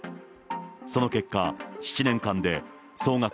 その結果、７年間で総額